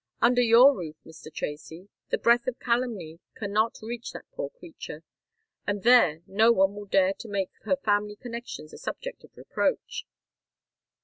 Under your roof, Mr. Tracy, the breath of calumny cannot reach that poor creature; and there no one will dare to make her family connexions a subject of reproach."